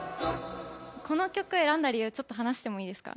この曲を選んだ理由ちょっと話してもいいですか？